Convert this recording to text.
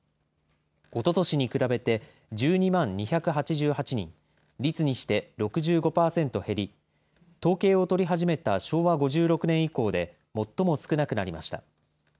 おととしに比べて１２万２８８人、率にして６５％減り、統計を取り始めた昭和５６年以降で最も少なくなりました。